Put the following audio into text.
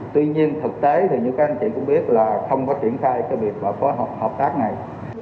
tuy nhiên thực tế thì như các anh chị cũng biết là không có triển khai cái việc và có hợp tác này